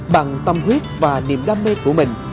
bằng tâm huyết và niềm đam mê của mình